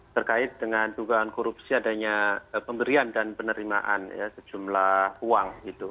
terkait dengan dugaan korupsi adanya pemberian dan penerimaan sejumlah uang